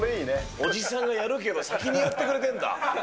おじさんがやるけど、先にやってくれてるんだ。